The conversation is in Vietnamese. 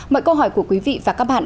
mọi câu hỏi của quý vị và các bạn